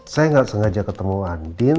saya nggak sengaja ketemu andin